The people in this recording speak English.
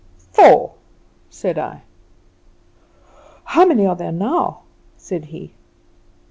"'Four,' said I. "'How many are there now?' said he.